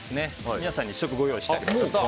皆さんに試食をご用意してあります。